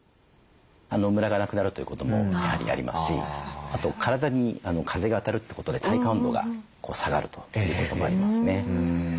ムラがなくなるということもやはりありますしあと体に風が当たるってことで体感温度が下がるということもありますね。